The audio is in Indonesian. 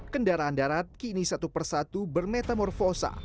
kendaraan darat kini satu persatu bermetamorfosa